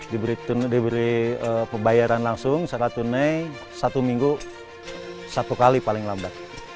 diberi pembayaran langsung secara tunai satu minggu satu kali paling lambat